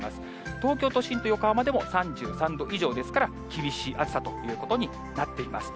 東京都心と横浜でも３３度以上ですから、厳しい暑さということになっています。